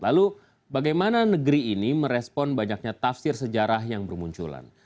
lalu bagaimana negeri ini merespon banyaknya tafsir sejarah yang bermunculan